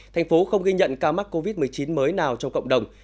thành phố không ghi nhận ca mắc covid một mươi chín mới nào trong cộng đồng